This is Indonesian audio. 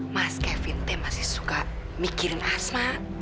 mas kevin teh masih suka mikirin asma